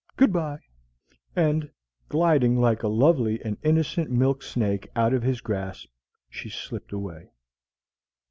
Good by." And, gliding like a lovely and innocent milk snake out of his grasp, she slipped away.